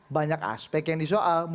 banyak aspek yang disoal